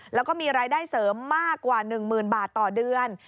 แล้วก็มีรายได้เสริมมากกว่า๑๐๐๐บาทต่อเดือน